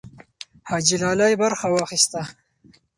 حاجي لالی برخه واخیسته.